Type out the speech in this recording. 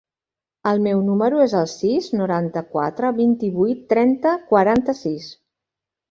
El meu número es el sis, noranta-quatre, vint-i-vuit, trenta, quaranta-sis.